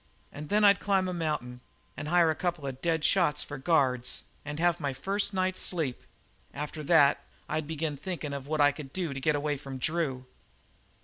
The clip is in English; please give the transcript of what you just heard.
And then I'd climb a mountain and hire a couple of dead shots for guards and have my first night's sleep. After that I'd begin thinkin' of what I could do to get away from Drew."